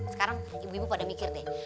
sekarang ibu ibu pada mikir deh